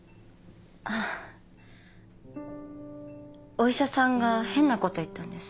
お医者さんが変なこと言ったんです。